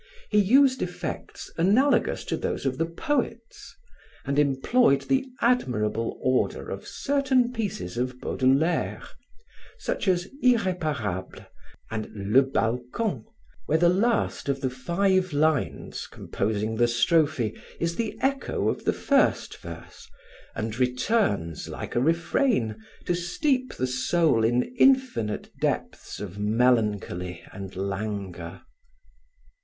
He used effects analogous to those of the poets, and employed the admirable order of certain pieces of Baudelaire, such as Irreparable and le Balcon, where the last of the five lines composing the strophe is the echo of the first verse and returns, like a refrain, to steep the soul in infinite depths of melancholy and languor.